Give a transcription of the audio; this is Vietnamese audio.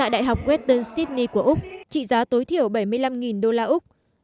đại học western sydney của úc trị giá tối thiểu bảy mươi năm đô la úc